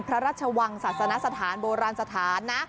พระราชวังศาสนสถานโบราณสถานนะ